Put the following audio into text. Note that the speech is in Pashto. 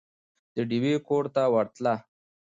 د ډېوې کور ته ورتله